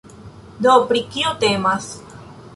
Do pri kio temas?